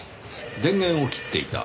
電源を切っていた。